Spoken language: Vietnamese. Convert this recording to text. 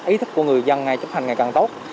ý thức của người dân chấp hành ngày càng tốt